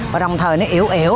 và đồng thời nó yếu yếu